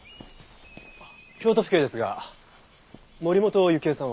京都府警ですが森本雪絵さんは？